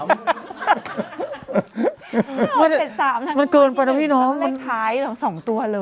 เจ็ดสามมันเกินไปแล้วพี่น้องเลขท้ายสองตัวเลย